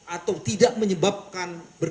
atau tidak menyebabkan berkecuali terjadi